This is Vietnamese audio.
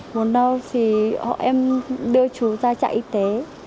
muốn đau thì họ em đưa chú ra trại y tế